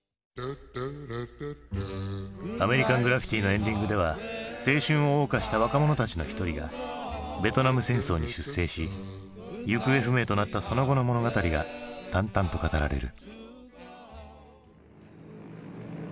「アメリカン・グラフィティ」のエンディングでは青春をおう歌した若者たちの一人がベトナム戦争に出征し行方不明となったその後の物語が淡々と語られる。